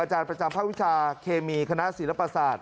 อาจารย์ประจำภาควิชาเคมีคณะศิลปศาสตร์